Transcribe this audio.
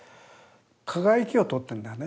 輝きを撮ってるんだよね